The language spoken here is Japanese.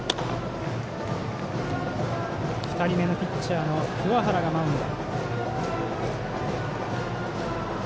２人目のピッチャーの桑原がマウンド。